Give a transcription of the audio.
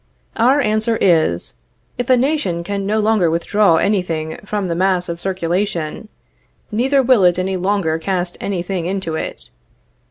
Our answer is: If a nation can no longer withdraw any thing from the mass of circulation, neither will it any longer cast any thing into it.